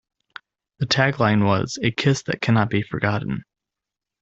The tagline was ""A kiss that cannot be forgotten!